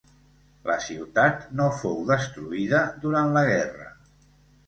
La ciutat no fou destruïda durant la guerra.